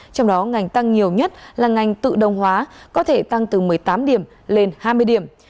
trong đó ngành tăng nhiều nhất là ngành tự động hóa có thể tăng từ một mươi tám điểm lên hai mươi điểm